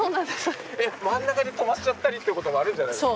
真ん中で止まっちゃったりってことあるんじゃないですか？